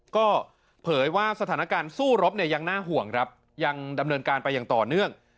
ก็เผยว่าสถานการณ์สู้รบเนี่ยยังน่าห่วงครับยังดำเนินการไปอย่างต่อเนื่อง